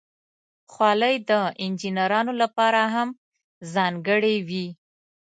خولۍ د انجینرانو لپاره هم ځانګړې وي.